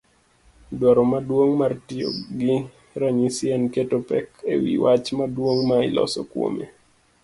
Dwaro maduong' mar tiyogi ranyisi en keto pek ewi wach maduong' ma iloso kuome.